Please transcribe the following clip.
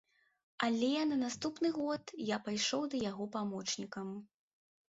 Але на наступны год я пайшоў да яго памочнікам.